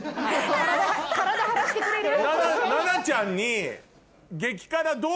体張らしてくれるよ。